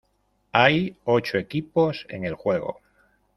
Hay ocho equipos en el juego.